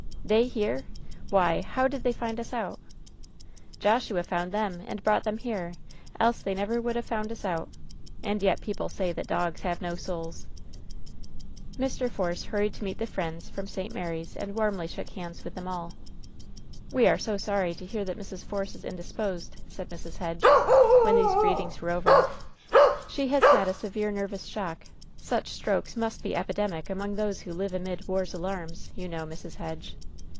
"They here ! Why, how did they find us out ?" "Joshua found them and brought them here, else they never would have found us out. And yet people say that dogs have no souls !" Mr. Force hurried to meet the friends from St. Mary's, and warmly shook hands with them all. "We are so sorry to hear that Mrs. Force is in disposed," said Mrs. Hedge, when these greetings were over. "She has had a severe nervous shock. Such strokes must be epidemic among those who live amid Var's alarms,' you know, Mrs. Hedge."